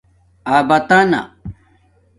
اباتݳنہ